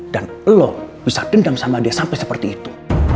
dan lo bisa dendam sama dia sampai seperti itu